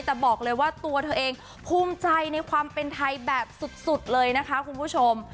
แต่บอกเลยว่าตัวเธอเองภูมิใจในความเป็นไทยแบบสุดเลยนะคะคุณผู้ชม